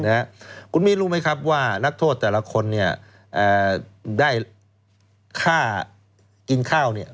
คุณมีนรู้ไหมครับว่านักโทษแต่ละคนเนี่ยได้ค่ากินข้าวเนี่ย